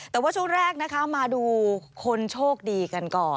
แต่ว่าช่วงแรกนะคะมาดูคนโชคดีกันก่อน